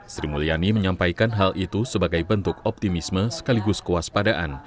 sri mulyani menyampaikan hal itu sebagai bentuk optimisme sekaligus kewaspadaan